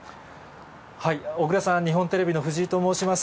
小倉さん、日本テレビの藤井と申します。